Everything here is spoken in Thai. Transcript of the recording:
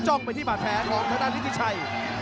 จ้องไปที่หม่าแพ้ของนิตย์ชัย